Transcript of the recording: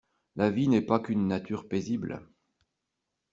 La vie n’est pas qu’une nature paisible.